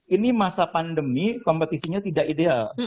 ini masa pandemi kompetisinya tidak ideal